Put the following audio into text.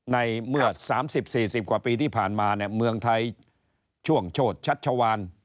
ในเมื่อ๓๐๔๐กว่าปีที่ผ่านมาเนี่ยเมืองไทยช่วงโชธชัชวาน